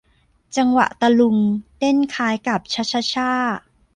จังหวะตะลุง เต้นคล้ายกับชะชะช่า